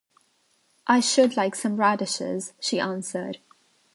“I should like some radishes,” she answered.